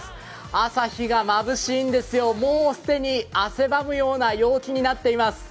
朝日がまぶしいんですよ、もう既に汗ばむような陽気になっています。